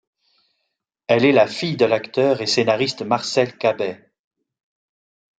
Elle est la fille de l'acteur et scénariste Marcel Cabay.